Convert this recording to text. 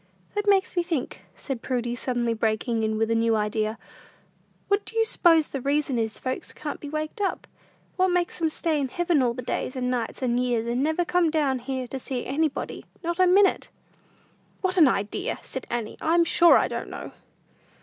"That makes me think," said Prudy, suddenly breaking in with a new idea; "what do you s'pose the reason is folks can't be waked up? What makes 'em stay in heaven all the days, and nights, and years, and never come down here to see anybody, not a minute?" "What an idea!" said Annie. "I'm sure I don't know."